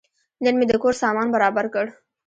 نن مې د کور سامان برابر کړ.